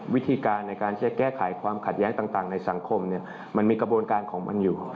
วิธีการในการที่จะแก้ไขความขัดแย้งต่างในสังคมมันมีกระบวนการของมันอยู่